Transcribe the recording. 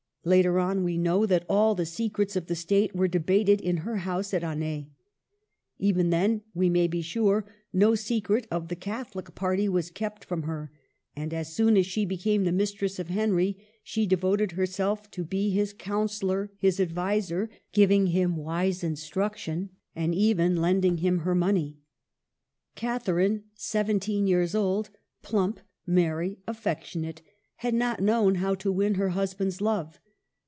Later on, we know that all the secrets of the State were debated in her house at Anet Even then, we may be sure, no secret of the Catholic party was kept from her; and as soon as she became the mistress of Henry, she devoted her self to be his counsellor, his adviser, giving him CHANGES. 169 wise instruction, and even lending him her money. Catherine, seventeen years old, plump, merry, affectionate, had not known how to win her hus band's love.